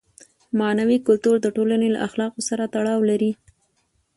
معنوي کلتور د ټولنې له اخلاقو سره تړاو لري.